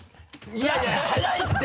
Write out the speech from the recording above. いやいや速いって！